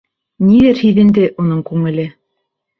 Ниҙер һиҙенде уның күңеле.